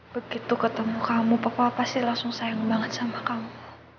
begitu ketemu kamu papa pasti langsung sayang banget sama kamu